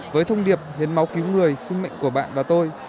với thông điệp hiến máu cứu người sinh mệnh của bạn và tôi